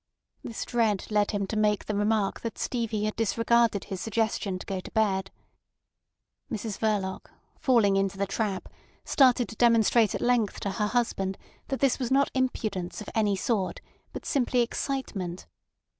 This dread led him to make the remark that Stevie had disregarded his suggestion to go to bed. Mrs Verloc, falling into the trap, started to demonstrate at length to her husband that this was not "impudence" of any sort, but simply "excitement."